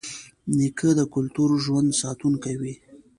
نیکه د کلتور ژوندي ساتونکی وي.